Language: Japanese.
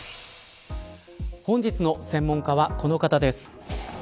本日の専門家はこの方です。